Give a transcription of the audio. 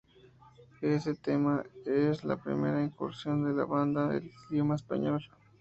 Este tema es la primera incursión de la banda en el idioma español.